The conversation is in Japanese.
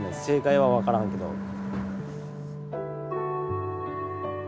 正解はわからんけど。